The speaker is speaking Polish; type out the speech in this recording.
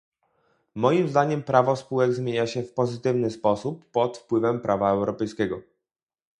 Moim zdaniem prawo spółek zmienia się w pozytywny sposób pod wpływem prawa europejskiego